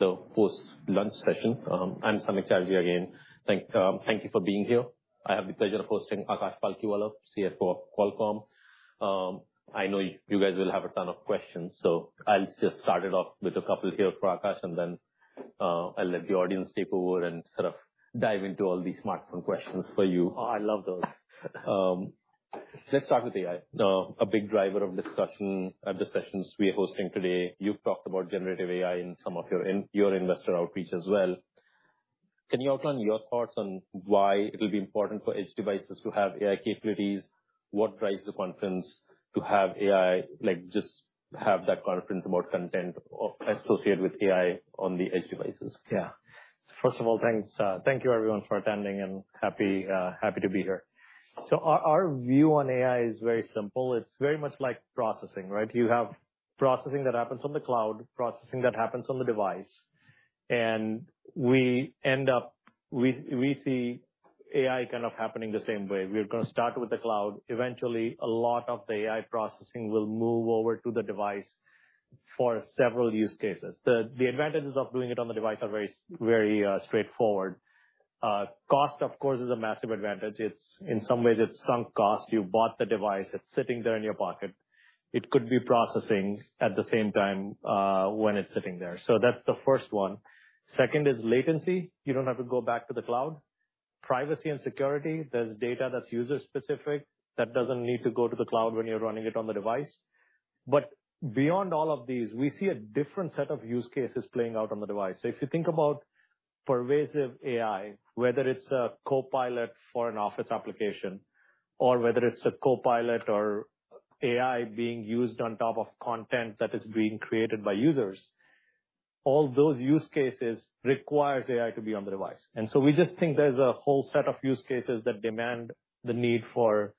The post-lunch session. I'm Samik Chatterjee again. Thank you for being here. I have the pleasure of hosting Akash Palkhiwala, CFO of Qualcomm. I know you guys will have a ton of questions, so I'll just start it off with a couple here for Akash, and then, I'll let the audience take over and sort of dive into all these smartphone questions for you. Oh, I love those. Let's start with AI. A big driver of discussion at the sessions we are hosting today. You've talked about generative AI in some of your investor outreach as well. Can you outline your thoughts on why it'll be important for edge devices to have AI capabilities? What drives the confidence to have AI, like, just have that confidence about content associated with AI on the edge devices? Yeah. First of all, thanks, thank you, everyone, for attending, and happy, happy to be here. Our, our view on AI is very simple. It's very much like processing, right? You have processing that happens on the cloud, processing that happens on the device. We end up... We, we see AI kind of happening the same way. We're gonna start with the cloud. Eventually, a lot of the AI processing will move over to the device for several use cases. The, the advantages of doing it on the device are very, very straightforward. Cost, of course, is a massive advantage. It's in some ways, it's sunk cost. You bought the device, it's sitting there in your pocket. It could be processing at the same time, when it's sitting there. That's the first one. Second is latency. You don't have to go back to the cloud. Privacy and security. There's data that's user-specific that doesn't need to go to the cloud when you're running it on the device. Beyond all of these, we see a different set of use cases playing out on the device. If you think about pervasive AI, whether it's a Copilot for an office application, or whether it's a Copilot or AI being used on top of content that is being created by users, all those use cases requires AI to be on the device. We just think there's a whole set of use cases that demand the need for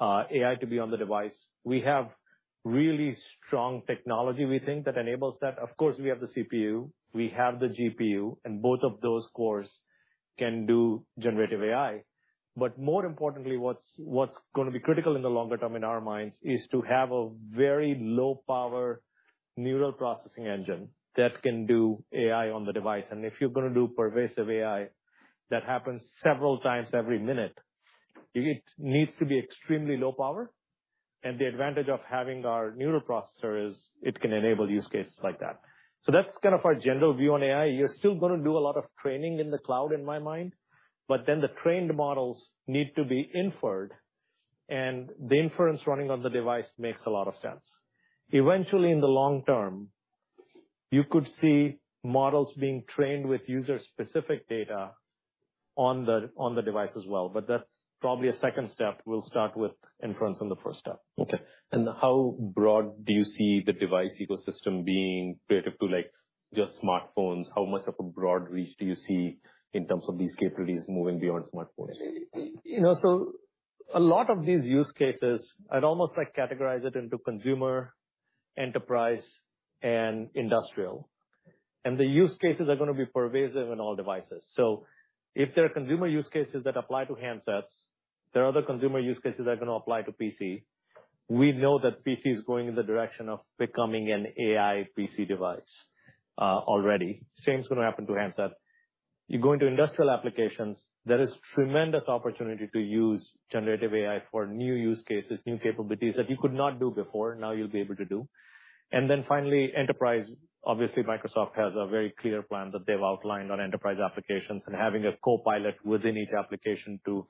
AI to be on the device. We have really strong technology, we think, that enables that. Of course, we have the CPU, we have the GPU, and both of those cores can do generative AI. more importantly, what's, what's gonna be critical in the longer term, in our minds, is to have a very low power neural processing engine that can do AI on the device. If you're gonna do pervasive AI, that happens several times every minute, it needs to be extremely low power, and the advantage of having our neural processor is it can enable use cases like that. That's kind of our general view on AI. You're still gonna do a lot of training in the cloud, in my mind, but then the trained models need to be inferred, and the inference running on the device makes a lot of sense. Eventually, in the long term, you could see models being trained with user-specific data on the, on the device as well, but that's probably a second step. We'll start with inference on the first step. Okay, how broad do you see the device ecosystem being creative to, like, just smartphones? How much of a broad reach do you see in terms of these capabilities moving beyond smartphones? You know, a lot of these use cases, I'd almost like categorize it into consumer, enterprise, and industrial. The use cases are gonna be pervasive in all devices. If there are consumer use cases that apply to handsets, there are other consumer use cases that are gonna apply to PC. We know that PC is going in the direction of becoming an AI PC device already. Same is gonna happen to handset. You go into industrial applications, there is tremendous opportunity to use Generative AI for new use cases, new capabilities that you could not do before, now you'll be able to do. Finally, enterprise. Obviously, Microsoft has a very clear plan that they've outlined on enterprise applications and having a Copilot within each application to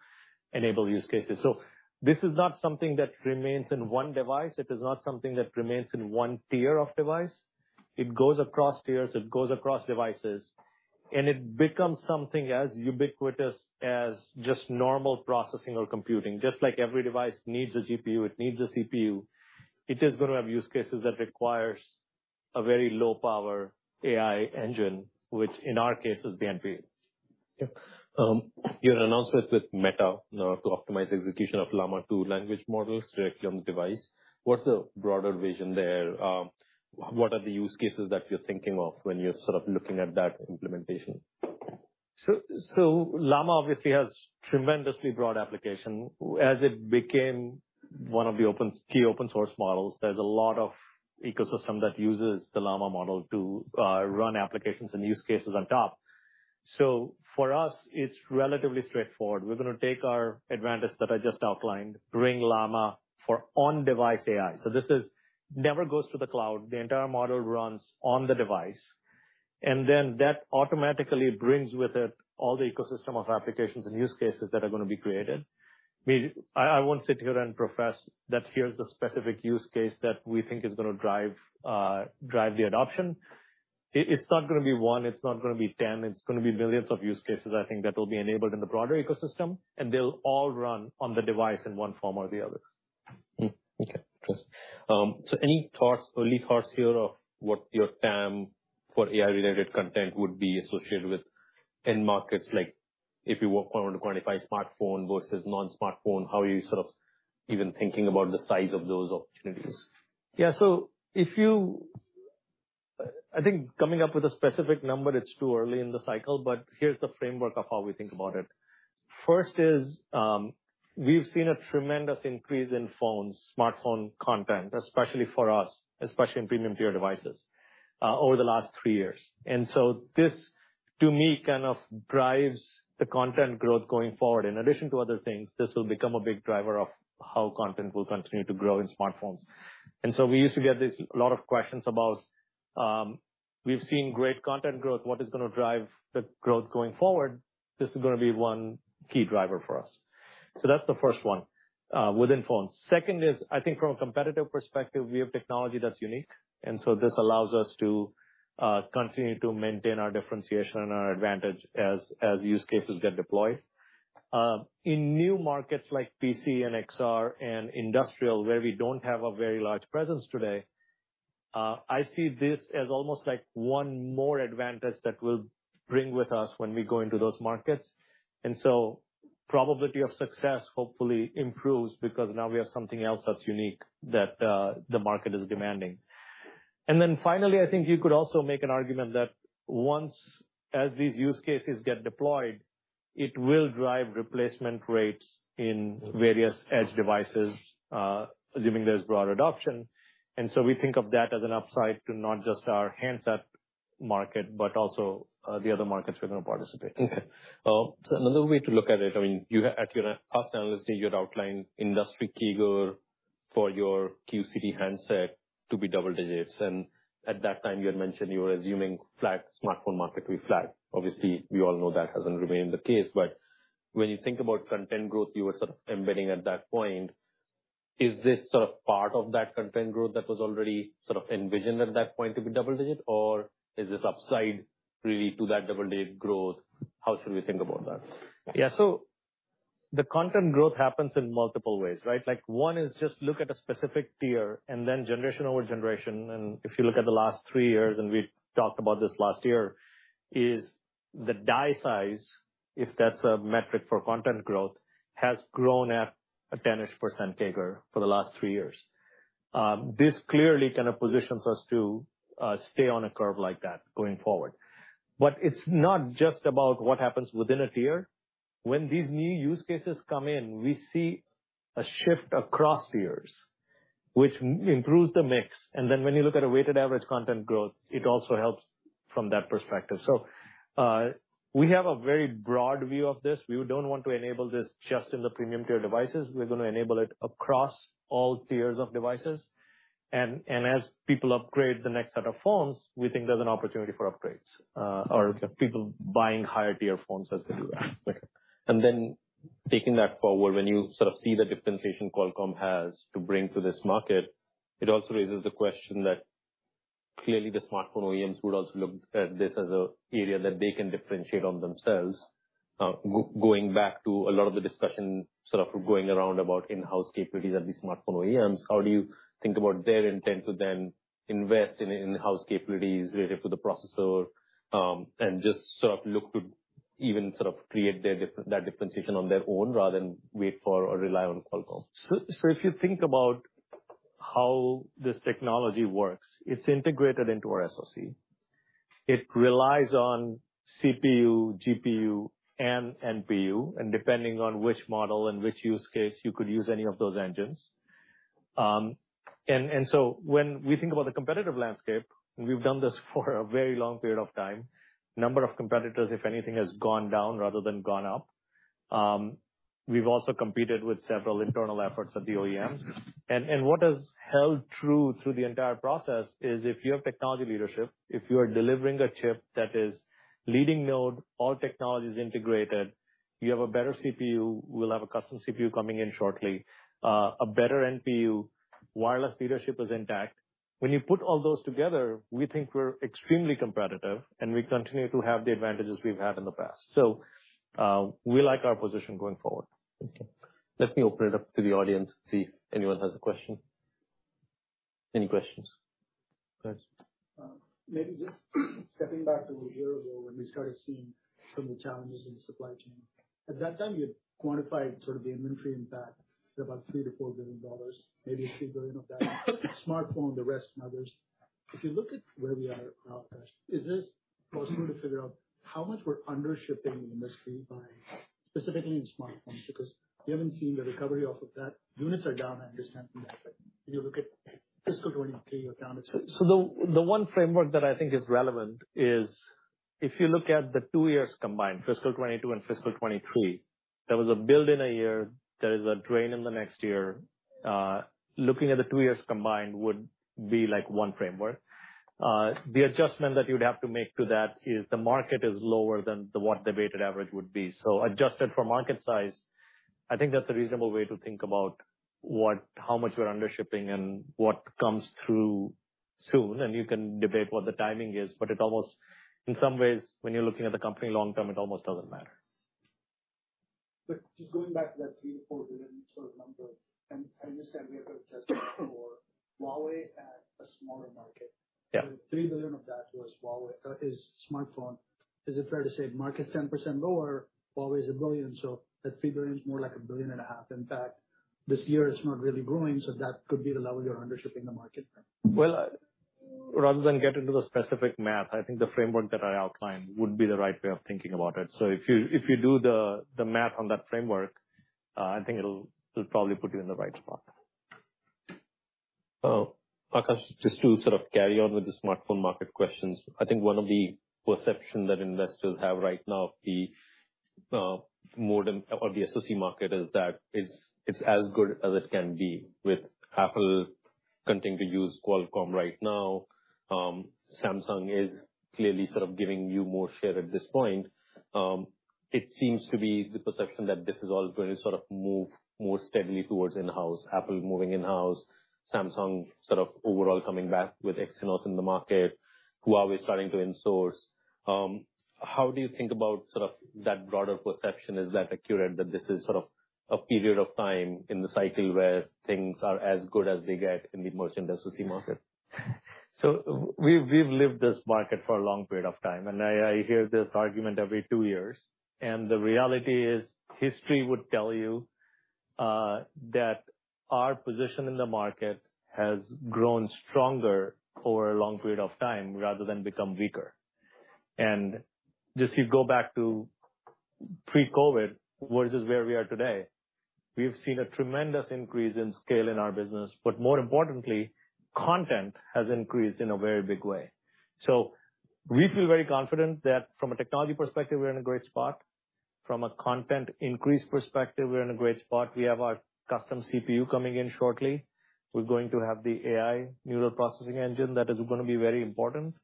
enable use cases. This is not something that remains in one device. It is not something that remains in one tier of device. It goes across tiers, it goes across devices, and it becomes something as ubiquitous as just normal processing or computing. Just like every device needs a GPU, it needs a CPU, it is gonna have use cases that requires a very low power AI engine, which in our case is BNP. Okay. Your announcement with Meta, to optimize execution of Llama 2 language models directly on the device, what's the broader vision there? What are the use cases that you're thinking of when you're sort of looking at that implementation? Llama obviously has tremendously broad application. As it became one of the open- key open source models, there's a lot of ecosystem that uses the Llama model to run applications and use cases on top. For us, it's relatively straightforward. We're gonna take our advantage that I just outlined, bring Llama for on-device AI. This is... never goes to the cloud. The entire model runs on the device, and then that automatically brings with it all the ecosystem of applications and use cases that are gonna be created. I, I won't sit here and profess that here's the specific use case that we think is gonna drive drive the adoption. It, it's not gonna be one, it's not gonna be ten, it's gonna be millions of use cases, I think, that will be enabled in the broader ecosystem, and they'll all run on the device in one form or the other. Okay, interesting. Any thoughts, early thoughts here, of what your TAM for AI-related content would be associated with end markets? Like, if you were to quantify smartphone versus non-smartphone, how are you sort of even thinking about the size of those opportunities? Yeah, if you. I think coming up with a specific number, it's too early in the cycle, but here's the framework of how we think about it. First is, we've seen a tremendous increase in phones, smartphone content, especially for us, especially in premium tier devices over the last three years. This, to me, kind of drives the content growth going forward. In addition to other things, this will become a big driver of how content will continue to grow in smartphones. We used to get this, a lot of questions about, we've seen great content growth, what is going to drive the growth going forward? This is gonna be one key driver for us. That's the first one within phones. Second is, I think from a competitive perspective, we have technology that's unique, and so this allows us to continue to maintain our differentiation and our advantage as, as use cases get deployed. In new markets like PC and XR and industrial, where we don't have a very large presence today, I see this as almost like one more advantage that we'll bring with us when we go into those markets. Probability of success hopefully improves, because now we have something else that's unique that, the market is demanding. Finally, I think you could also make an argument that as these use cases get deployed, it will drive replacement rates in various edge devices, assuming there's broad adoption. So we think of that as an upside to not just our handset market, but also, the other markets we're going to participate in. Another way to look at it, I mean, you at your last analysis, you had outlined industry CAGR for your QCT handset to be double digits, and at that time, you had mentioned you were assuming flat smartphone market to be flat. Obviously, we all know that hasn't remained the case, when you think about content growth, you were sort of embedding at that point, is this sort of part of that content growth that was already sort of envisioned at that point to be double digit, or is this upside really to that double digit growth? How should we think about that? Yeah. The content growth happens in multiple ways, right? Like, one is just look at a specific tier and then generation over generation. If you look at the last three years, and we've talked about this last year, is the die size, if that's a metric for content growth, has grown at a 10-ish% CAGR for the last three years. This clearly kind of positions us to stay on a curve like that going forward. It's not just about what happens within a tier. When these new use cases come in, we see a shift across tiers, which improves the mix. When you look at a weighted average content growth, it also helps from that perspective. We have a very broad view of this. We don't want to enable this just in the premium tier devices. We're going to enable it across all tiers of devices. As people upgrade the next set of phones, we think there's an opportunity for upgrades, or people buying higher tier phones as they do that. Taking that forward, when you sort of see the differentiation Qualcomm has to bring to this market, it also raises the question that clearly the smartphone OEMs would also look at this as an area that they can differentiate on themselves. Going back to a lot of the discussion sort of going around about in-house capabilities at the smartphone OEMs, how do you think about their intent to then invest in in-house capabilities related to the processor, and just sort of look to even sort of create their that differentiation on their own rather than wait for or rely on Qualcomm? So if you think about how this technology works, it's integrated into our SoC. It relies on CPU, GPU, and NPU, and depending on which model and which use case, you could use any of those engines. And so when we think about the competitive landscape, we've done this for a very long period of time, number of competitors, if anything, has gone down rather than gone up. We've also competed with several internal efforts of the OEMs. And what has held true through the entire process is if you have technology leadership, if you are delivering a chip that is leading node, all technology is integrated, you have a better CPU, we'll have a custom CPU coming in shortly, a better NPU, wireless leadership is intact. When you put all those together, we think we're extremely competitive, and we continue to have the advantages we've had in the past. We like our position going forward. Okay. Let me open it up to the audience, see if anyone has a question. Any questions? Go ahead. Maybe just stepping back to a year ago when we started seeing some of the challenges in the supply chain. At that time, you had quantified sort of the inventory impact to about $3 billion-$4 billion, maybe $3 billion of that smartphone, the rest in others. If you look at where we are at now, is this possible to figure out how much we're under shipping the industry by, specifically in smartphones? Because we haven't seen the recovery off of that. Units are down, I understand that, but if you look at fiscal 2023, you're down- The, the one framework that I think is relevant is, if you look at the two years combined, fiscal 22 and fiscal 23, there was a build in a year, there is a drain in the next year. Looking at the two years combined would be like one framework. The adjustment that you'd have to make to that is the market is lower than the, what the weighted average would be. Adjusted for market size, I think that's a reasonable way to think about what, how much we're under shipping and what comes through soon. You can debate what the timing is, but it almost, in some ways, when you're looking at the company long term, it almost doesn't matter. Just going back to that $3 billion-$4 billion sort of number, and understand we have adjusted for Huawei at a smaller market. Yeah. $3 billion of that was Huawei, is smartphone. Is it fair to say market's 10% lower, Huawei is $1 billion, so that $3 billion is more like $1.5 billion? In fact, this year it's not really growing, so that could be the level you're under shipping the market. Well, Rather than get into the specific math, I think the framework that I outlined would be the right way of thinking about it. If you, if you do the, the math on that framework, I think it'll, it'll probably put you in the right spot. Oh, Akash, just to sort of carry on with the smartphone market questions. I think one of the perception that investors have right now of the modem of the SoC market is that it's, it's as good as it can be with Apple continuing to use Qualcomm right now. Samsung is clearly sort of giving you more share at this point. It seems to be the perception that this is all going to sort of move more steadily towards in-house, Apple moving in-house, Samsung sort of overall coming back with Exynos in the market, Huawei starting to insource. How do you think about sort of that broader perception? Is that accurate, that this is sort of a period of time in the cycle where things are as good as they get in the merchant silicon market? We've, we've lived this market for a long period of time, and I, I hear this argument every two years. The reality is, history would tell you that our position in the market has grown stronger over a long period of time rather than become weaker. Just you go back to pre-COVID versus where we are today, we've seen a tremendous increase in scale in our business, but more importantly, content has increased in a very big way. We feel very confident that from a technology perspective, we're in a great spot. From a content increase perspective, we're in a great spot. We have our custom CPU coming in shortly. We're going to have the AI neural processing engine. That is gonna be very important.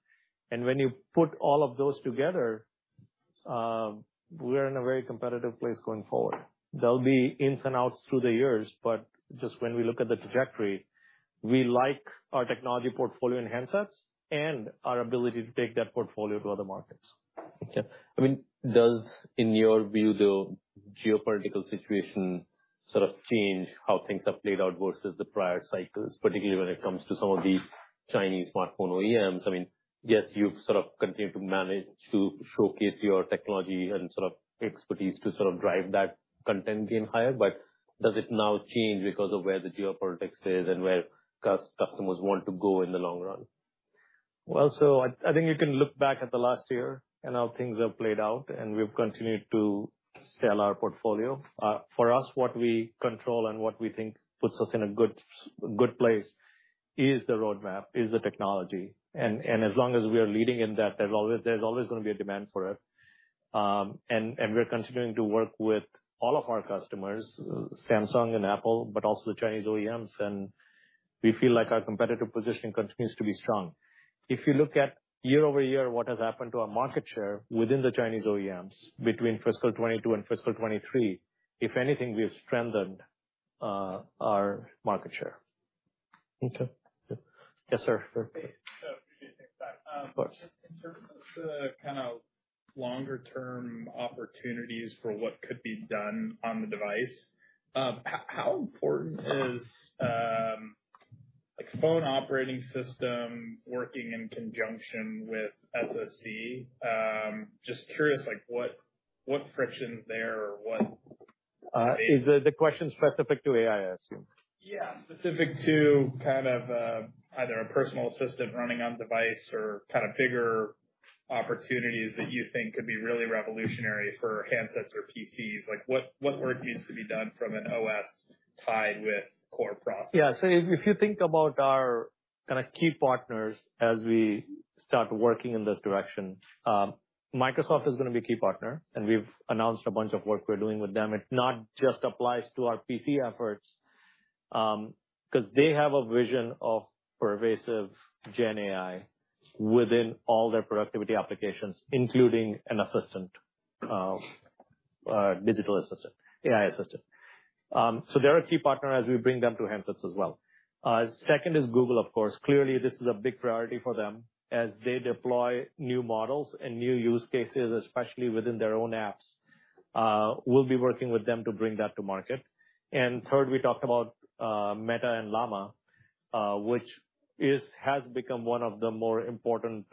When you put all of those together, we're in a very competitive place going forward. There'll be ins and outs through the years. Just when we look at the trajectory, we like our technology portfolio in handsets and our ability to take that portfolio to other markets. Okay. I mean, does, in your view, the geopolitical situation sort of change how things have played out versus the prior cycles, particularly when it comes to some of the Chinese smartphone OEMs? I mean, yes, you've sort of continued to manage to showcase your technology and sort of expertise to sort of drive that content game higher, but does it now change because of where the geopolitics is and where customers want to go in the long run? I, I think you can look back at the last year and how things have played out, and we've continued to sell our portfolio. For us, what we control and what we think puts us in a good, good place is the roadmap, is the technology. As long as we are leading in that, there's always, there's always gonna be a demand for it. We're continuing to work with all of our customers, Samsung and Apple, but also the Chinese OEMs, and we feel like our competitive position continues to be strong. If you look at year-over-year, what has happened to our market share within the Chinese OEMs between fiscal 2022 and fiscal 2023, if anything, we have strengthened our market share. Okay. Yes, sir. Appreciate that. Of course. In terms of the kind of longer term opportunities for what could be done on the device, how, how important is, like, phone operating system working in conjunction with silicon? Just curious, like, what, what friction is there or what- Is the question specific to AI, I assume? Yeah, specific to kind of, either a personal assistant running on device or kind of bigger opportunities that you think could be really revolutionary for handsets or PCs. Like, what, what work needs to be done from an OS tied with core processing? If, if you think about our kind of key partners as we start working in this direction, Microsoft is gonna be a key partner, and we've announced a bunch of work we're doing with them. It not just applies to our PC efforts, 'cause they have a vision of pervasive Gen AI within all their productivity applications, including an assistant, digital assistant, AI assistant. They're a key partner as we bring them to handsets as well. Second is Google, of course. Clearly, this is a big priority for them as they deploy new models and new use cases, especially within their own apps. We'll be working with them to bring that to market. Third, we talked about Meta and Llama, which is- has become one of the more important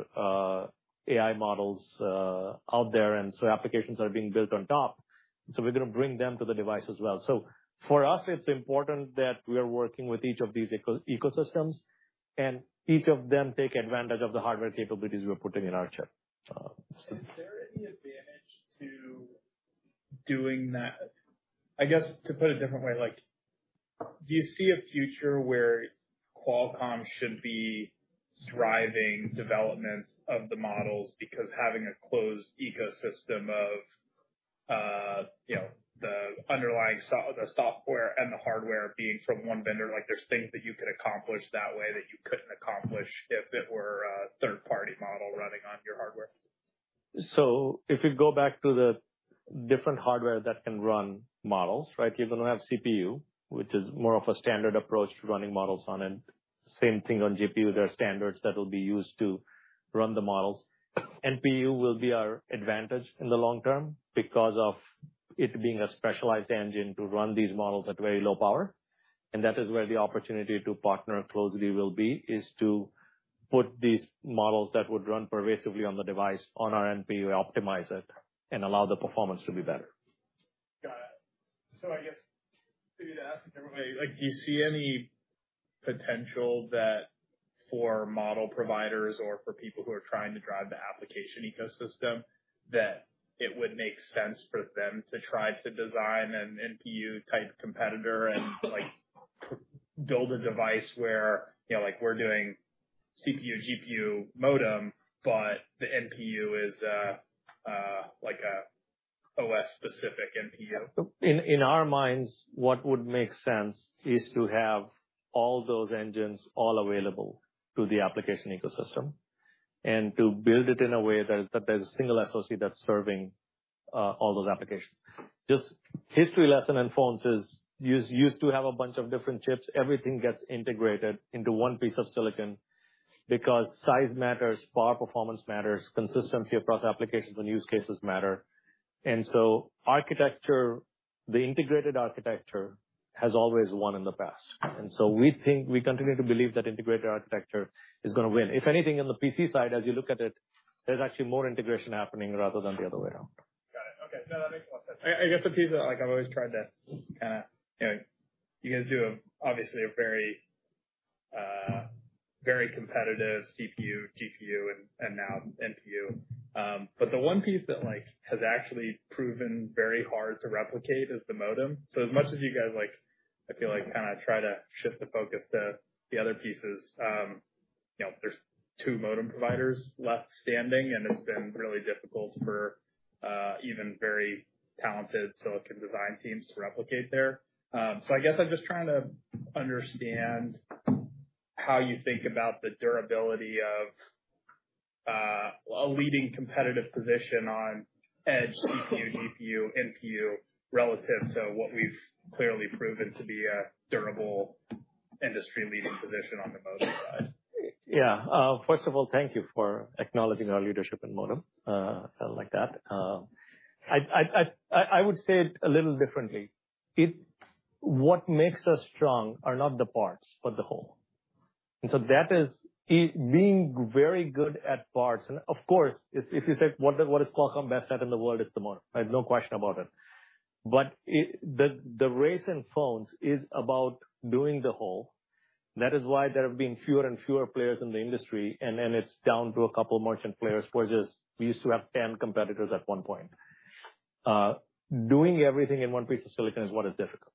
AI models out there, and so applications are being built on top. We're gonna bring them to the device as well. For us, it's important that we are working with each of these ecosystems, and each of them take advantage of the hardware capabilities we're putting in our chip. Is there any advantage to doing that? I guess, to put it a different way, like, do you see a future where Qualcomm should be driving development of the models because having a closed ecosystem of, you know, the underlying soft- the software and the hardware being from one vendor, like, there's things that you could accomplish that way that you couldn't accomplish if it were a third-party model running on your hardware? If you go back to the different hardware that can run models, right? You're gonna have CPU, which is more of a standard approach to running models on it. Same thing on GPU. There are standards that will be used to run the models. NPU will be our advantage in the long term because of it being a specialized engine to run these models at very low power, and that is where the opportunity to partner closely will be, is to put these models that would run pervasively on the device on our NPU, optimize it, and allow the performance to be better. I guess to ask everybody, like, do you see any potential that for model providers or for people who are trying to drive the application ecosystem, that it would make sense for them to try to design an NPU type competitor and, like, build a device where, you know, like we're doing CPU, GPU, modem, but the NPU is like a OS specific NPU? In our minds, what would make sense is to have all those engines all available to the application ecosystem, and to build it in a way that there's a single SoC that's serving all those applications. Just history lesson in phones is, you used to have a bunch of different chips. Everything gets integrated into one piece of silicon because size matters, power performance matters, consistency across applications and use cases matter. Architecture, the integrated architecture has always won in the past. We continue to believe that integrated architecture is gonna win. If anything, in the PC side, as you look at it, there's actually more integration happening rather than the other way around. Got it. Okay. No, that makes more sense. I, I guess the piece that like I've always tried to kind of, you know, you guys do obviously a very competitive CPU, GPU, and now NPU. But the one piece that, like, has actually proven very hard to replicate is the modem. As much as you guys like, I feel like kind of try to shift the focus to the other pieces, you know, there's two modem providers left standing, and it's been really difficult for even very talented silicon design teams to replicate there. I guess I'm just trying to understand how you think about the durability of a leading competitive position on edge, CPU, GPU, NPU, relative to what we've clearly proven to be a durable industry-leading position on the modem side. Yeah. First of all, thank you for acknowledging our leadership in modem. I like that. I would say it a little differently. What makes us strong are not the parts, but the whole. That is, it being very good at parts. Of course, if you said, what is Qualcomm best at in the world? It's the modem. I have no question about it. The race in phones is about doing the whole. That is why there have been fewer and fewer players in the industry, and then it's down to a couple of merchant players, whereas we used to have 10 competitors at one point. Doing everything in one piece of silicon is what is difficult.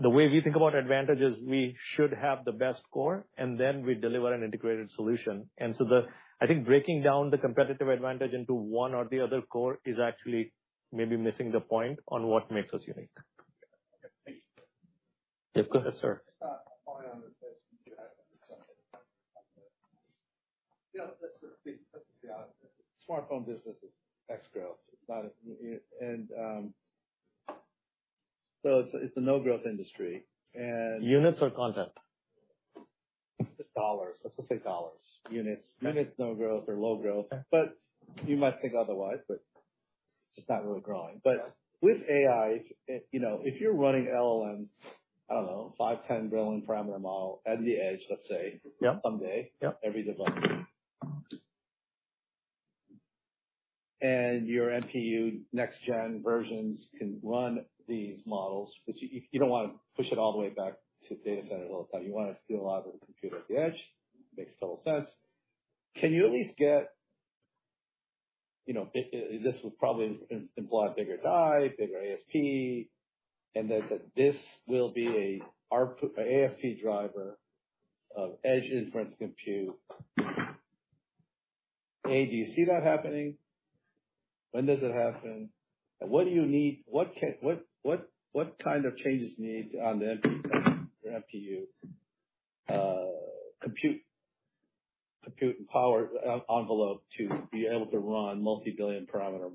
The way we think about advantages, we should have the best core, and then we deliver an integrated solution. I think breaking down the competitive advantage into one or the other core is actually maybe missing the point on what makes us unique. Yeah, go ahead, sir. Following on that. Yeah, let's sort of see, the smartphone business is X growth. It's not, and, so it's, it's a no-growth industry, and- Units or content? Just dollars. Let's just say dollars. Units. Units. Units no growth or low growth, but you might think otherwise, but just not really growing. Yeah. With AI, you know, if you're running LLM, I don't know, five, 10 billion parameter model at the edge, let's say... Yeah. -someday. Yeah. Every device. Your NPU next gen versions can run these models, but you don't want to push it all the way back to data center all the time. You want to do a lot of the computer at the edge. Makes total sense. Can you at least get, you know, this would probably imply a bigger die, bigger ASP, and that, that this will be a ARPU, a ARPU driver of edge inference compute. Do you see that happening? When does it happen? What do you need? What kind of changes need on the NPU, compute, compute and power envelope to be able to run multi-billion parameter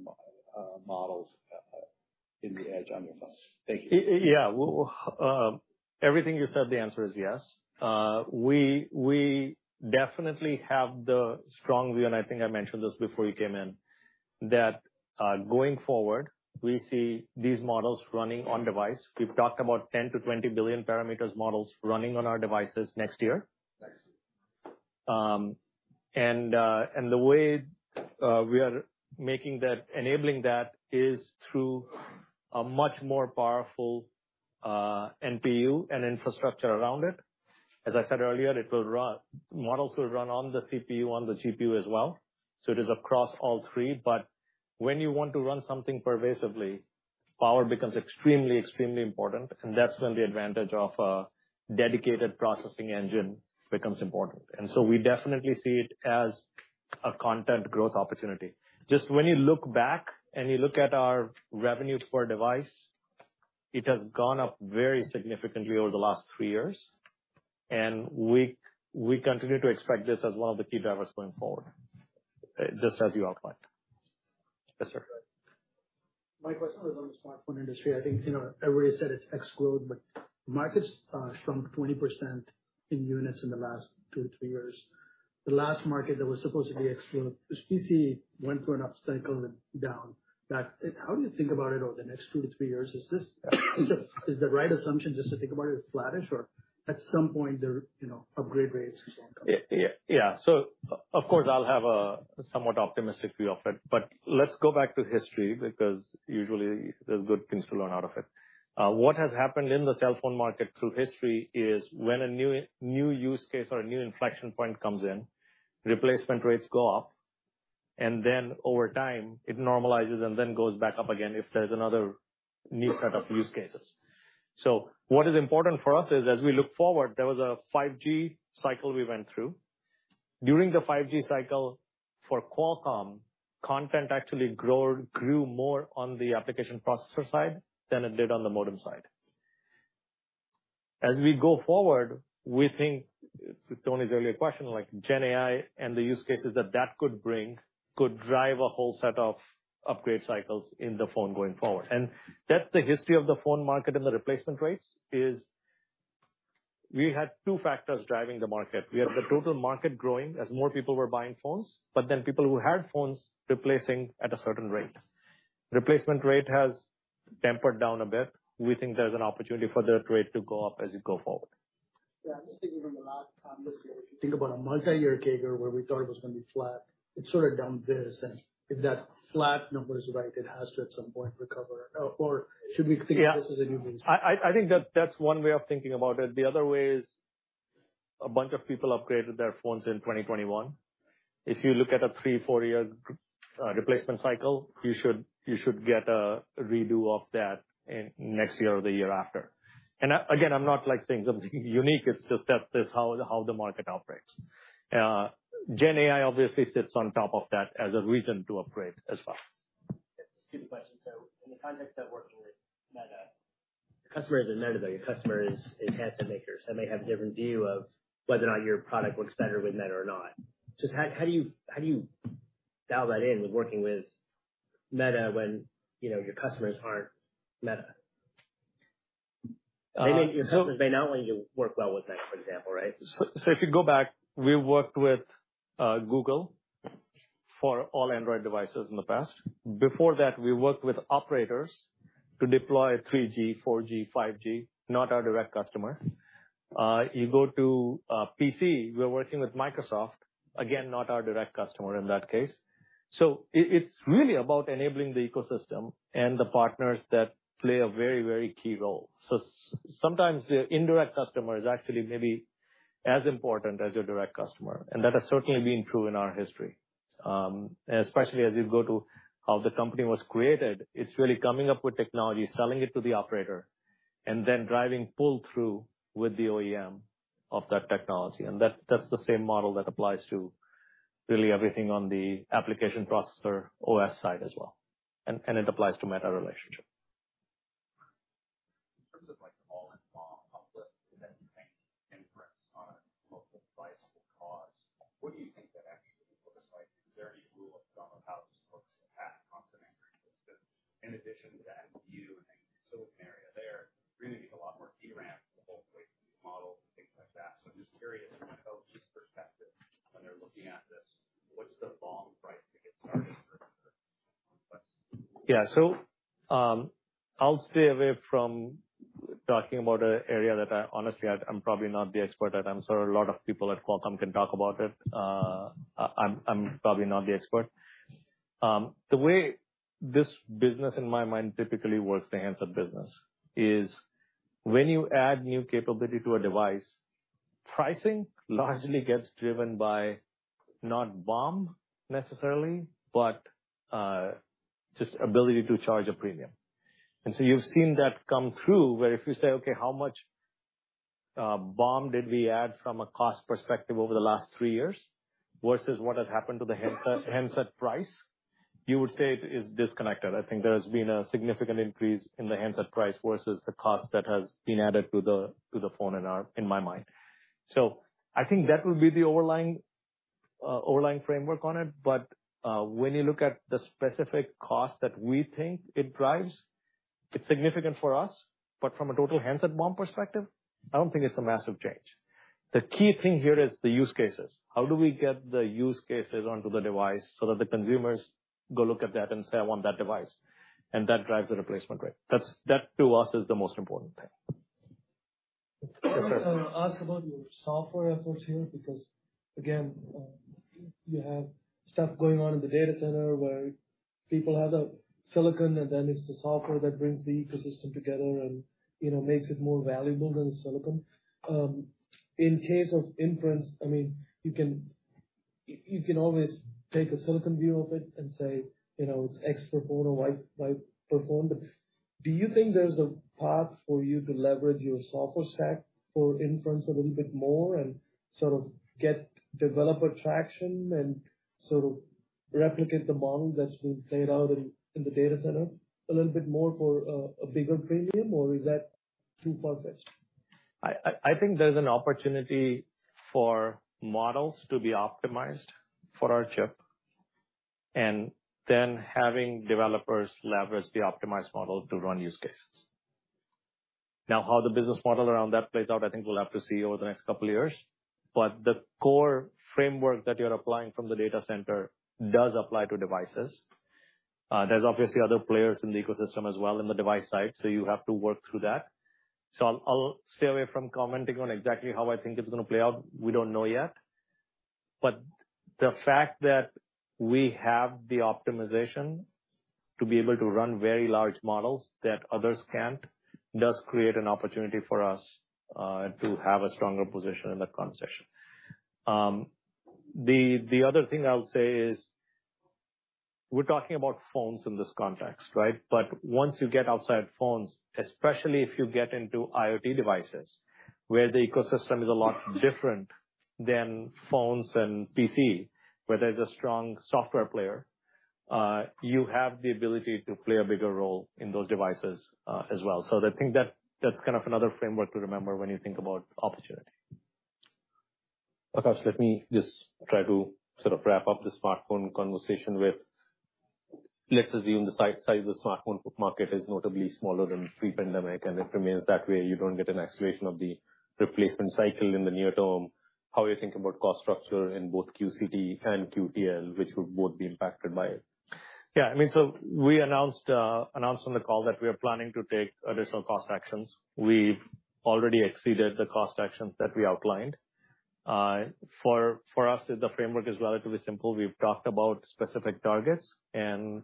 models in the edge on your phone? Thank you. Yeah. Well, everything you said, the answer is yes. We, we definitely have the strong view, and I think I mentioned this before you came in, that, going forward, we see these models running on device. We've talked about 10 billion-20 billion parameters models running on our devices next year. Next year. The way we are enabling that is through a much more powerful NPU and infrastructure around it. As I said earlier, models will run on the CPU, on the GPU as well, so it is across all three. When you want to run something pervasively, power becomes extremely, extremely important, and that's when the advantage of a dedicated processing engine becomes important. We definitely see it as a content growth opportunity. Just when you look back and you look at our revenue per device, it has gone up very significantly over the last three years, and we, we continue to expect this as one of the key drivers going forward, just as you outlined. Yes, sir. My question is on the smartphone industry. I think, you know, everybody said it's X growth, but markets shrunk 20% in units in the last two-three years. The last market that was supposed to be excluded, which PC went through an upcycle and down. That, how do you think about it over the next two to three years? Is this, is the, is the right assumption just to think about it as flattish, or at some point there, you know, upgrade rates will come? Yeah. Yeah. Of course, I'll have a somewhat optimistic view of it. Let's go back to history, because usually there's good things to learn out of it. What has happened in the cell phone market through history is when a new, new use case or a new inflection point comes in, replacement rates go up, and then over time, it normalizes and then goes back up again if there's another new set of use cases. What is important for us is, as we look forward, there was a 5G cycle we went through. During the 5G cycle, for Qualcomm, content actually grow-- grew more on the application processor side than it did on the modem side. As we go forward, we think, to Tony's earlier question, like Gen AI and the use cases that that could bring, could drive a whole set of upgrade cycles in the phone going forward. That's the history of the phone market and the replacement rates, is we had two factors driving the market. We had the total market growing as more people were buying phones, but then people who had phones replacing at a certain rate. Replacement rate has tempered down a bit. We think there's an opportunity for that rate to go up as you go forward. Yeah, I'm just thinking from the last time this year, if you think about a multi-year CAGR where we thought it was going to be flat, it sort of done this. If that flat number is right, it has to at some point recover. Should we think- Yeah. Of this as a new base? I think that that's one way of thinking about it. The other way is, a bunch of people upgraded their phones in 2021. If you look at a three, four year replacement cycle, you should get a redo of that in next year or the year after. Again, I'm not, like, saying something unique, it's just that this is how the market operates. Gen AI obviously sits on top of that as a reason to upgrade as well. Yeah, just two questions. In the context of working with Meta, your customer isn't Meta, though. Your customer is handset makers, and they have a different view of whether or not your product works better with Meta or not. Just how do you dial that in with working with Meta when you know your customers aren't Meta? Uh, so- They may not want you to work well with them, for example, right? So if you go back, we worked with Google for all Android devices in the past. Before that, we worked with operators to deploy 3G, 4G, 5G, not our direct customer. You go to PC, we're working with Microsoft, again, not our direct customer in that case. It's really about enabling the ecosystem and the partners that play a very, very key role. Sometimes the indirect customer is actually maybe as important as your direct customer, and that has certainly been true in our history. Especially as you go to how the company was created, it's really coming up with technology, selling it to the operator, and then driving pull-through with the OEM of that technology. That's the same model that applies to really everything on the application processor, OS side as well, and it applies to Meta relationship. In terms of like all involved outputs, then you think inference on mobile device will cause, what do you think that actually will look like? Is there any rule of thumb of how this looks to pass constant increases, in addition to that view and silicon area there, we're going to need a lot more DRAM, the whole model, things like that. I'm just curious how testers test it when they're looking at this. What's the long price to get started? Yeah. I'll stay away from talking about an area that I honestly, I'm probably not the expert at. I'm sure a lot of people at Qualcomm can talk about it. I'm probably not the expert. The way this business, in my mind, typically works, the handset business, is when you add new capability to a device, pricing largely gets driven by not BOM, necessarily, but just ability to charge a premium. You've seen that come through, where if you say, "Okay, how much BOM did we add from a cost perspective over the last three years versus what has happened to the handset, handset price?" You would say it is disconnected. I think there has been a significant increase in the handset price versus the cost that has been added to the phone in my mind. I think that would be the overlying, overlying framework on it, but when you look at the specific cost that we think it drives, it's significant for us. From a total handset BOM perspective, I don't think it's a massive change. The key thing here is the use cases. How do we get the use cases onto the device so that the consumers go look at that and say, "I want that device"? That drives the replacement rate. That's, that, to us, is the most important thing. Ask about your software efforts here, because, again, you have stuff going on in the data center where people have the silicon, and then it's the software that brings the ecosystem together and, you know, makes it more valuable than the silicon. In case of inference, I mean, you can, you can always take a silicon view of it and say, you know, it's X perform or Y, Y perform. Do you think there's a path for you to leverage your software stack for inference a little bit more and sort of get developer traction and sort of replicate the model that's been played out in, in the data center a little bit more for a, a bigger premium, or is that too far-fetched? I think there's an opportunity for models to be optimized for our chip, and then having developers leverage the optimized model to run use cases. How the business model around that plays out, I think we'll have to see over the next couple of years. The core framework that you're applying from the data center does apply to devices. There's obviously other players in the ecosystem as well in the device side, so you have to work through that. I'll stay away from commenting on exactly how I think it's gonna play out. We don't know yet. The fact that we have the optimization to be able to run very large models that others can't, does create an opportunity for us to have a stronger position in that conversation. The, the other thing I would say is, we're talking about phones in this context, right? Once you get outside phones, especially if you get into IoT devices, where the ecosystem is a lot different than phones and PC, where there's a strong software player, you have the ability to play a bigger role in those devices, as well. I think that, that's kind of another framework to remember when you think about opportunity. Akash, let me just try to sort of wrap up the smartphone conversation with. Let's assume the size of the smartphone market is notably smaller than pre-pandemic, and it remains that way. You don't get an acceleration of the replacement cycle in the near term. How are you thinking about cost structure in both QCT and QTL, which would both be impacted by it? Yeah, I mean, we announced announced on the call that we are planning to take additional cost actions. We've already exceeded the cost actions that we outlined. For, for us, the framework is relatively simple. We've talked about specific targets, and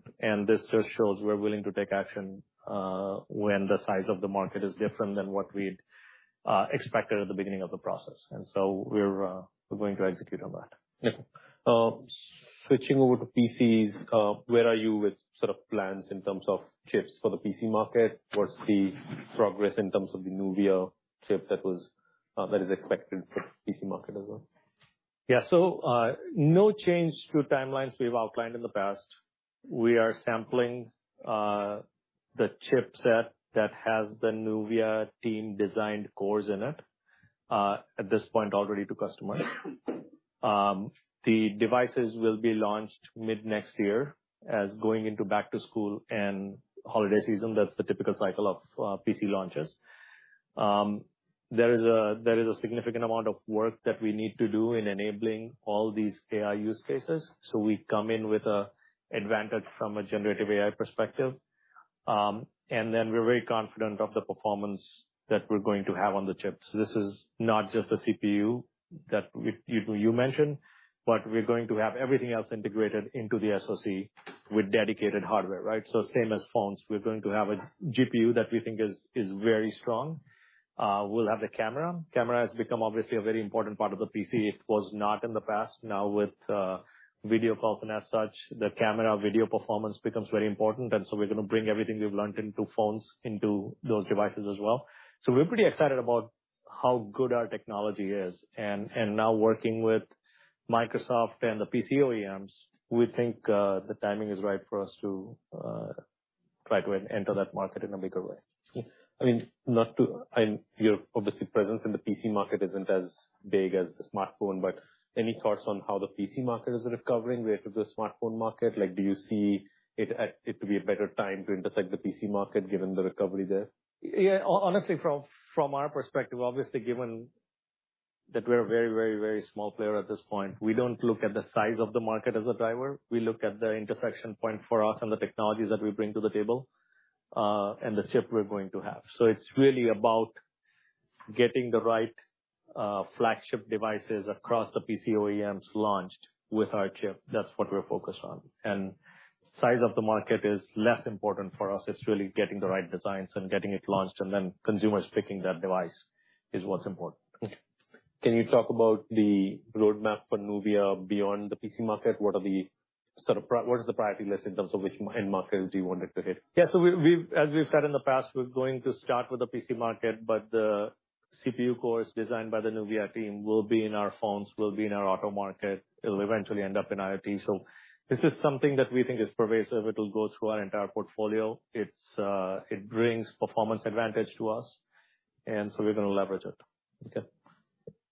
this just shows we're willing to take action when the size of the market is different than what we'd expected at the beginning of the process, so we're going to execute on that. Okay. Switching over to PCs, where are you with sort of plans in terms of chips for the PC market? What's the progress in terms of the NUVIA chip that was, that is expected for the PC market as well? Yeah. No change to timelines we've outlined in the past. We are sampling the chipset that has the NUVIA team-designed cores in it at this point, already to customers. The devices will be launched mid-next year as going into back to school and holiday season. That's the typical cycle of PC launches. There is a significant amount of work that we need to do in enabling all these AI use cases, so we come in with a advantage from a generative AI perspective. We're very confident of the performance that we're going to have on the chips. This is not just a CPU that you mentioned, but we're going to have everything else integrated into the SoC with dedicated hardware, right? Same as phones. We're gonna have a GPU that we think is, is very strong. We'll have the camera. Camera has become obviously a very important part of the PC. It was not in the past. Now with video calls and as such, the camera video performance becomes very important, so we're gonna bring everything we've learned into phones, into those devices as well. We're pretty excited about how good our technology is. Now working with Microsoft and the PC OEMs, we think the timing is right for us to try to enter that market in a bigger way. I mean, not to, and your, obviously, presence in the PC market isn't as big as the smartphone, but any thoughts on how the PC market is recovering compared to the smartphone market? Like, do you see it at, it to be a better time to intersect the PC market given the recovery there? Yeah. Honestly, from our perspective, obviously, given that we're a very, very, very small player at this point, we don't look at the size of the market as a driver. We look at the intersection point for us and the technologies that we bring to the table, and the chip we're going to have. It's really about getting the right flagship devices across the PC OEMs launched with our chip. That's what we're focused on. Size of the market is less important for us. It's really getting the right designs and getting it launched, and then consumers picking that device is what's important. Okay. Can you talk about the roadmap for NUVIA beyond the PC market? What is the priority list in terms of which end markets do you want it to hit? As we've said in the past, we're going to start with the PC market, but the CPU cores designed by the NUVIA team will be in our phones, will be in our auto market. It'll eventually end up in IoT. This is something that we think is pervasive. It'll go through our entire portfolio. It's, it brings performance advantage to us, and so we're gonna leverage it. Okay.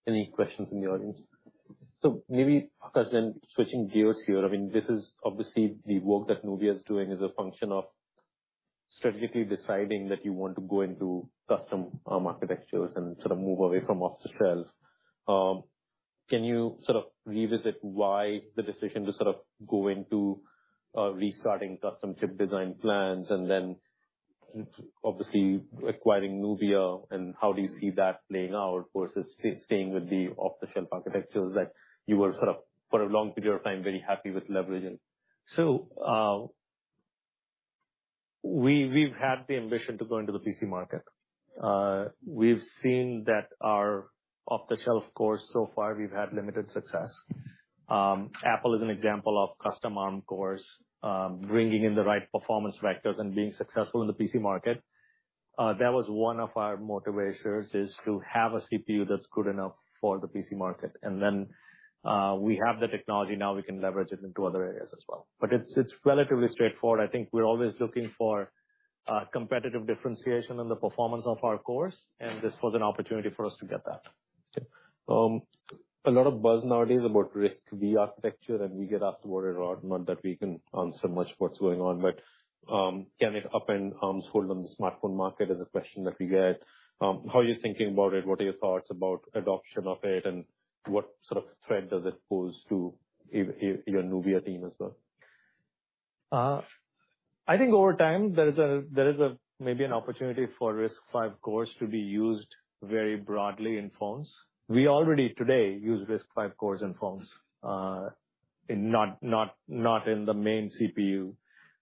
Any questions in the audience? Maybe, Akash, then switching gears here, I mean, this is obviously the work that NUVIA is doing as a function of strategically deciding that you want to go into custom architectures and sort of move away from off-the-shelf. Can you sort of revisit why the decision to sort of go into restarting custom chip design plans and then, obviously, acquiring NUVIA? How do you see that playing out versus staying with the off-the-shelf architectures that you were sort of, for a long period of time, very happy with leveraging? We, we've had the ambition to go into the PC market. We've seen that our off-the-shelf cores, so far, we've had limited success. Apple is an example of custom ARM cores, bringing in the right performance vectors and being successful in the PC market. That was one of our motivations, is to have a CPU that's good enough for the PC market. Then, we have the technology now, we can leverage it into other areas as well. It's, it's relatively straightforward. I think we're always looking for, competitive differentiation in the performance of our cores, and this was an opportunity for us to get that.... Okay. A lot of buzz nowadays about RISC-V, the architecture, and we get asked about it a lot, not that we can answer much what's going on, but, can it upend, hold on the smartphone market, is a question that we get. How are you thinking about it? What are your thoughts about adoption of it, and what sort of threat does it pose to your, your, your NUVIA team as well? I think over time, there is a, there is a maybe an opportunity for RISC-V cores to be used very broadly in phones. We already today use RISC-V cores in phones, in not, not, not in the main CPU,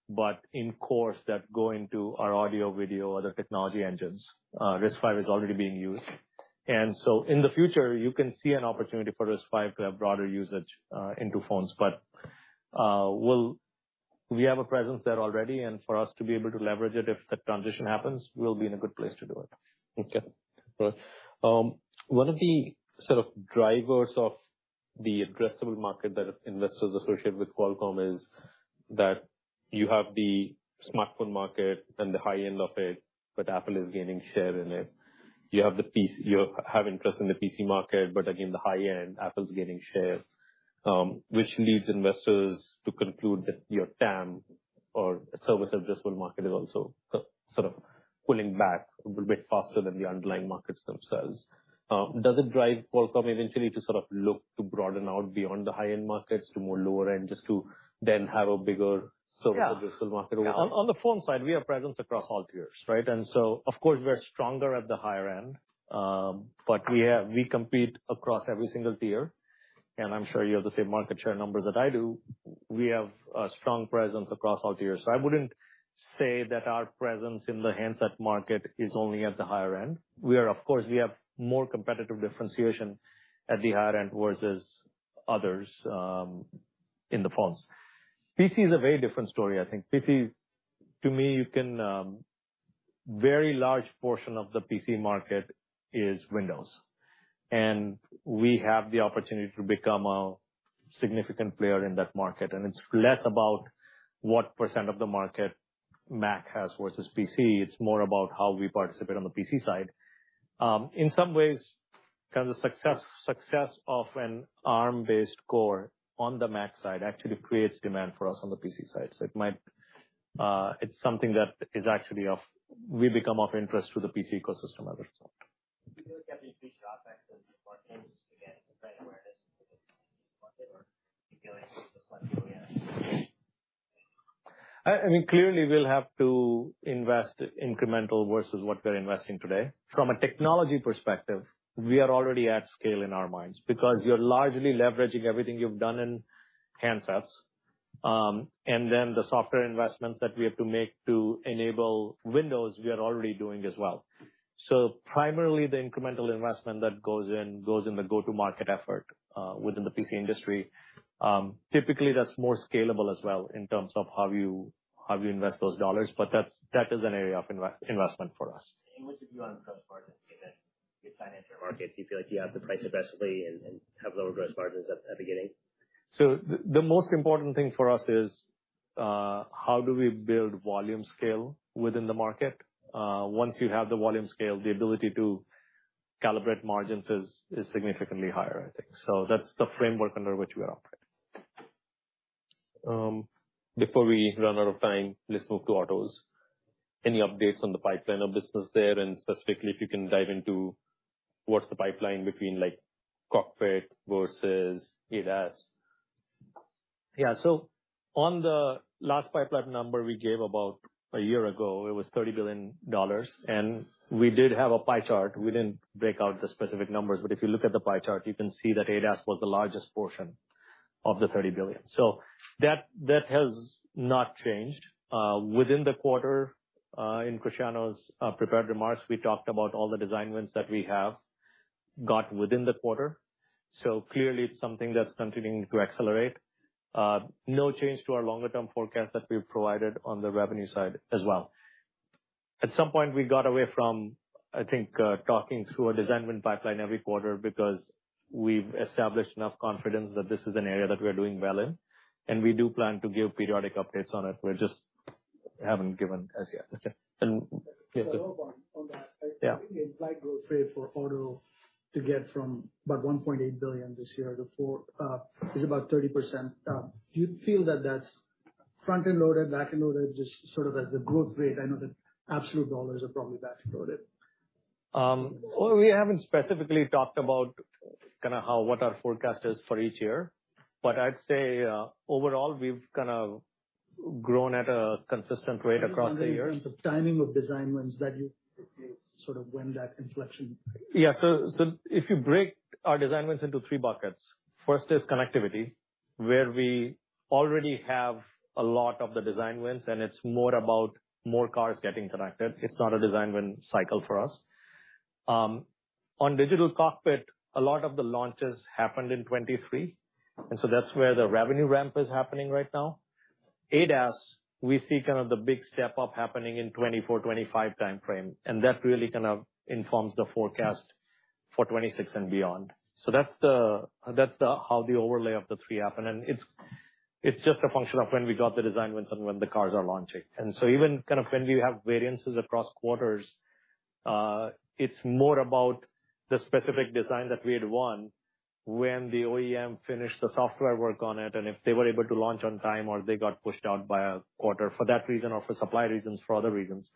but in cores that go into our audio, video, other technology engines. RISC-V is already being used. So in the future, you can see an opportunity for RISC-V to have broader usage, into phones. We have a presence there already, and for us to be able to leverage it, if the transition happens, we'll be in a good place to do it. Okay. One of the sort of drivers of the addressable market that investors associate with Qualcomm is that you have the smartphone market and the high end of it, but Apple is gaining share in it. You have interest in the PC market, but again, the high end, Apple is gaining share, which leads investors to conclude that your TAM, or total addressable market, is also, sort of pulling back a little bit faster than the underlying markets themselves. Does it drive Qualcomm eventually to sort of look to broaden out beyond the high-end markets to more lower end, just to then have a bigger- Yeah. Total addressable market? On the phone side, we have presence across all tiers, right? Of course, we're stronger at the higher end. But we compete across every single tier, and I'm sure you have the same market share numbers that I do. We have a strong presence across all tiers. I wouldn't say that our presence in the handset market is only at the higher end. We are, of course, we have more competitive differentiation at the higher end versus others in the phones. PC is a very different story, I think. PC, to me, you can. Very large portion of the PC market is Windows, and we have the opportunity to become a significant player in that market. It's less about what % of the market Mac has versus PC, it's more about how we participate on the PC side. In some ways, kind of the success, success of an Arm-based core on the Mac side actually creates demand for us on the PC side. It might, it's something that is actually we become of interest to the PC ecosystem as itself. Do you look at these three aspects of the market, again, brand awareness, or do you feel like it's just like, oh, yeah? I mean, clearly, we'll have to invest incremental versus what we're investing today. From a technology perspective, we are already at scale in our minds, because you're largely leveraging everything you've done in handsets. Then the software investments that we have to make to enable Windows, we are already doing as well. Primarily, the incremental investment that goes in, goes in the go-to-market effort, within the PC industry. Typically, that's more scalable as well in terms of how you, how you invest those dollars, but that's, that is an area of investment for us. Which of you want gross margins in the financial markets? You feel like you have to price aggressively and, and have lower gross margins at, at the beginning? The, the most important thing for us is, how do we build volume scale within the market? Once you have the volume scale, the ability to calibrate margins is, is significantly higher, I think. That's the framework under which we operate. Before we run out of time, let's move to autos. Any updates on the pipeline of business there, and specifically, if you can dive into what's the pipeline between, like, cockpit versus ADAS? Yeah. On the last pipeline number we gave about a year ago, it was $30 billion, and we did have a pie chart. We didn't break out the specific numbers, if you look at the pie chart, you can see that ADAS was the largest portion of the $30 billion. That, that has not changed. Within the quarter, in Cristiano's prepared remarks, we talked about all the design wins that we have got within the quarter. Clearly, it's something that's continuing to accelerate. No change to our longer-term forecast that we've provided on the revenue side as well. At some point, we got away from, I think, talking through a design win pipeline every quarter, because we've established enough confidence that this is an area that we are doing well in, and we do plan to give periodic updates on it. We just haven't given as yet. Okay. On that- Yeah. The implied growth rate for auto to get from about $1.8 billion this year to $4 billion, is about 30%. Do you feel that that's front-end loaded, back-end loaded, just sort of as the growth rate? I know the absolute dollars are probably back-loaded. Well, we haven't specifically talked about kind of what our forecast is for each year, but I'd say, overall, we've kind of grown at a consistent rate across the years. In terms of timing of design wins, that you sort of when that inflection- Yeah. If you break our design wins into three buckets, first is connectivity, where we already have a lot of the design wins, and it's more about more cars getting connected. It's not a design win cycle for us. On digital cockpit, a lot of the launches happened in 2023, That's where the revenue ramp is happening right now. ADAS, we see kind of the big step up happening in 2024, 2025 time frame, That really kind of informs the forecast for 2026 and beyond. That's the, that's the, how the overlay of the three happen, and it's just a function of when we got the design wins and when the cars are launching. Even kind of when we have variances across quarters, it's more about the specific design that we had won, when the OEM finished the software work on it, and if they were able to launch on time or they got pushed out by a quarter for that reason or for supply reasons, for other reasons.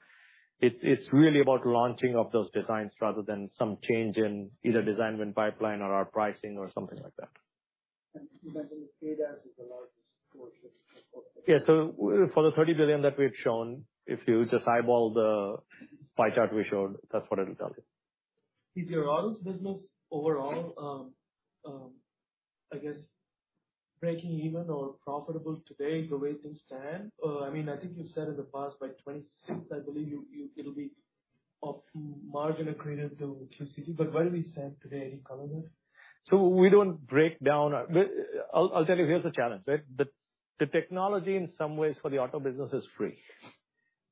It's, it's really about launching of those designs rather than some change in either design win pipeline or our pricing or something like that. You mentioned ADAS is the largest portion of- Yeah. For the $30 billion that we've shown, if you just eyeball the pie chart we showed, that's what it'll tell you. Is your autos business overall, I guess, breaking even or profitable today the way things stand? I mean, I think you've said in the past, by 2026, I believe it'll be up to margin accretive to QCT. Where do we stand today, any color there? We don't break down. I'll, I'll tell you, here's the challenge, right? The technology in some ways for the auto business is free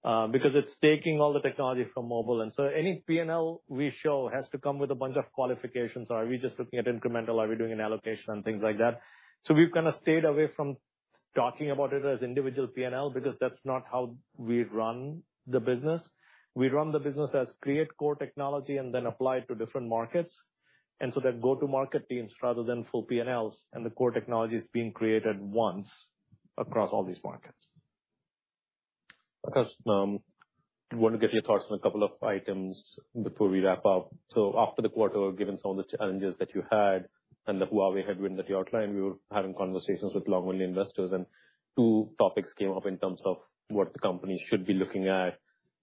because it's taking all the technology from mobile. Any P&L we show has to come with a bunch of qualifications. Are we just looking at incremental? Are we doing an allocation? Things like that. We've kind of stayed away from talking about it as individual P&L because that's not how we run the business. We run the business as create core technology and then apply it to different markets, and so they're go-to-market teams rather than full P&Ls, and the core technology is being created once across all these markets. I want to get your thoughts on a couple of items before we wrap up. After the quarter, given some of the challenges that you had and the Huawei headroom that you outlined, we were having conversations with long-only investors, and two topics came up in terms of what the company should be looking at.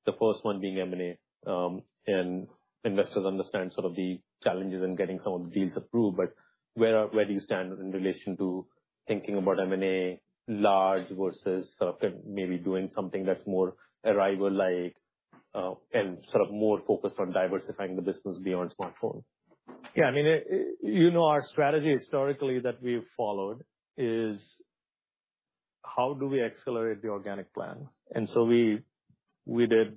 The first one being M&A, and investors understand sort of the challenges in getting some of the deals approved, but where are-- where do you stand in relation to thinking about M&A, large versus sort of maybe doing something that's more Arriver-like, and sort of more focused on diversifying the business beyond smartphone? Yeah, I mean, it, you know, our strategy historically that we've followed is how do we accelerate the organic plan? We, we did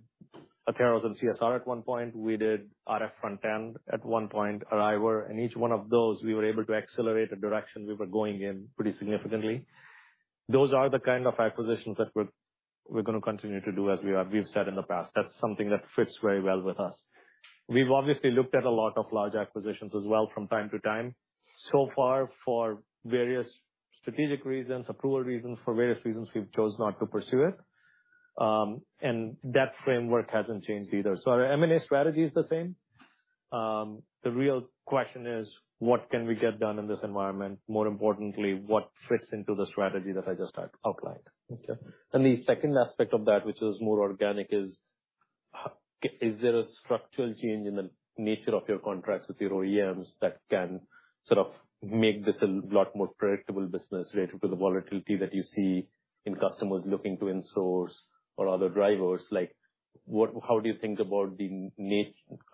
Atheros and CSR at one point, we did RF front-end at one point, Arriver, and each one of those, we were able to accelerate the direction we were going in pretty significantly. Those are the kind of acquisitions that we're, we're gonna continue to do, as we've said in the past. That's something that fits very well with us. We've obviously looked at a lot of large acquisitions as well from time to time. So far, for various strategic reasons, approval reasons, for various reasons, we've chose not to pursue it. That framework hasn't changed either. Our M&A strategy is the same. The real question is: What can we get done in this environment? More importantly, what fits into the strategy that I just outlined? Okay. The second aspect of that, which is more organic, is there a structural change in the nature of your contracts with your OEMs that can sort of make this a lot more predictable business related to the volatility that you see in customers looking to in-source or other drivers? Like, how do you think about I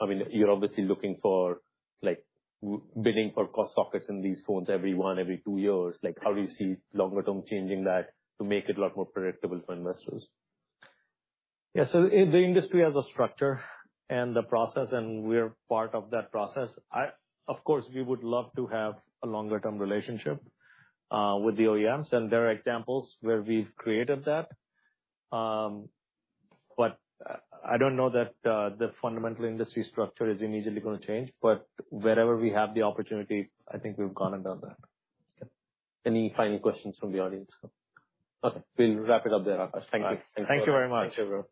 mean, you're obviously looking for, like, bidding for cost sockets in these phones every one, every two years. Like, how do you see longer term changing that to make it a lot more predictable for investors? Yeah. The, the industry has a structure and a process, and we're part of that process. Of course, we would love to have a longer-term relationship, with the OEMs, and there are examples where we've created that. I don't know that, the fundamental industry structure is immediately gonna change, but wherever we have the opportunity, I think we've gone and done that. Okay. Any final questions from the audience? Okay, we'll wrap it up there, Akash. Thank you. Thank you very much. Thank you, everyone.